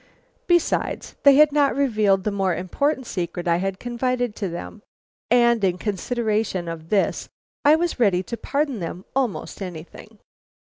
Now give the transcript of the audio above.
Besides, they had not revealed the more important secret I had confided to them, and in consideration of this I was ready to pardon them most anything.